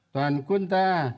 toàn quân ta